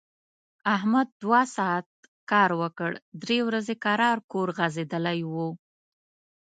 احمد دوه ساعت کار وکړ، درې ورځي کرار کور غځېدلی و.